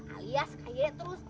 alias kaya terus